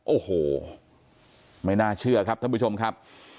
โอ้โหไม่น่าเชื่อครับท่านผู้ชมครับ